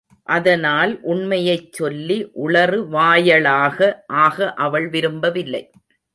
அதனால் உண்மையைச்சொல்லி உளறு வாயளாக ஆக அவள் விரும்பவில்லை.